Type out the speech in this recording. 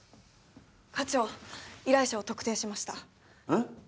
課長依頼者を特定しましたえっ？